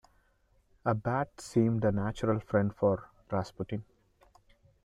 A bat seemed a natural friend for Rasputin.